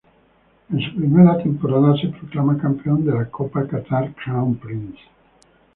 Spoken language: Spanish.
En su primera temporada se proclama campeón de la Copa Qatar Crown Prince.